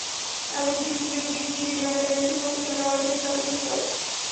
এমনকি স্কিলের দিক দিয়ে লিওনেল মেসির মতো খেলোয়াড়কেও ছাপিয়ে যেতে পারে।